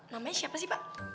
namanya siapa sih pak